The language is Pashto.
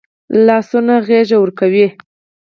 لاسونه غېږ ورکوي